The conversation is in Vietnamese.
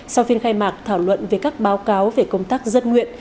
sau phiên khai mạc thảo luận về các báo cáo về công tác dân nguyện